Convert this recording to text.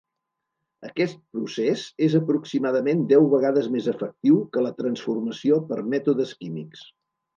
Aquest procés és aproximadament deu vegades més efectiu que la transformació per mètodes químics.